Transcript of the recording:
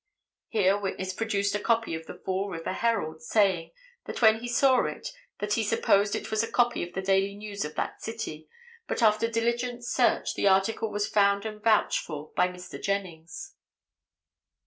Here witness produced a copy of the Fall River Herald saying, when he saw it, that he supposed it was a copy of the Daily News of that city, but after diligent search the article was found and vouched for by Mr. Jennings.